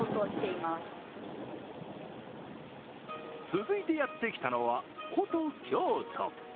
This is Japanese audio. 続いてやってきたのは古都・京都